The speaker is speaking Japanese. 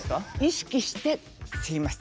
意識して吸います。